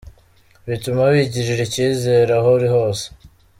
Bituma wigirira icyizere aho uri hose.